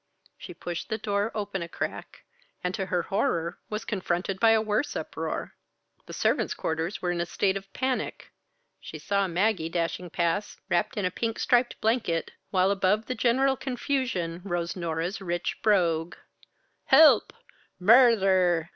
She pushed the door open a crack, and to her horror, was confronted by a worse uproar. The servants' quarters were in a state of panic. She saw Maggie dashing past, wrapped in a pink striped blanket, while above the general confusion rose Norah's rich brogue: "Help! Murther!